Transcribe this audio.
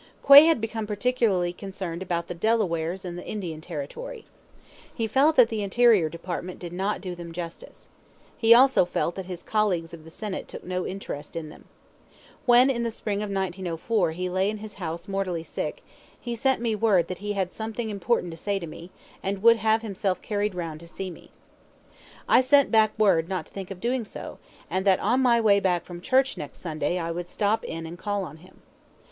Quay had become particularly concerned about the Delawares in the Indian Territory. He felt that the Interior Department did not do them justice. He also felt that his colleagues of the Senate took no interest in them. When in the spring of 1904 he lay in his house mortally sick, he sent me word that he had something important to say to me, and would have himself carried round to see me. I sent back word not to think of doing so, and that on my way back from church next Sunday I would stop in and call on him.